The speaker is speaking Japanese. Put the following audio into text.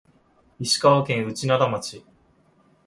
石川県内灘町